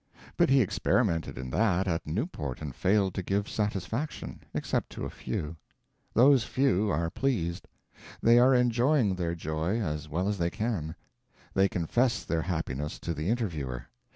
But he experimented in that at Newport and failed to give satisfaction, except to a few. Those few are pleased. They are enjoying their joy as well as they can. They confess their happiness to the interviewer.